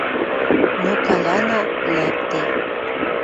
Но Каляна лӓкде —